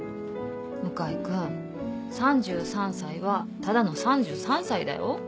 向井君３３歳はただの３３歳だよ。